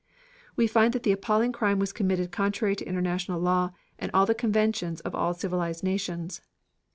We find that the appalling crime was committed contrary to international law and the conventions of all civilized nations.